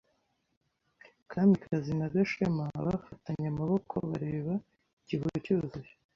Kamikazi na Gashema bafatanye amaboko bareba igihu cyuzuye.